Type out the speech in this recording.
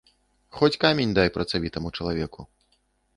Хоць камень дай працавітаму чалавеку.